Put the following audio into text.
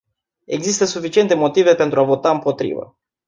Există suficiente motive pentru a vota împotrivă.